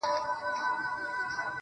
گلابي شونډي يې د بې په نوم رپيږي.